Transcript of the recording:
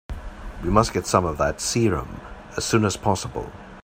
We must get some of that serum as soon as possible.